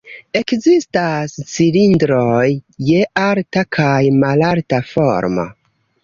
Ekzistas cilindroj je alta kaj malalta formo.